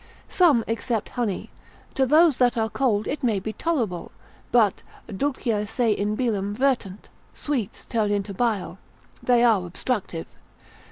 Some except honey; to those that are cold, it may be tolerable, but Dulcia se in bilem vertunt, (sweets turn into bile,) they are obstructive.